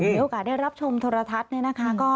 มีโอกาสได้รับชมโทรทัศน์